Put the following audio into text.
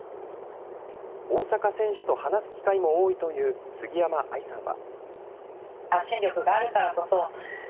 大坂選手と話す機会も多いという杉山愛さんは。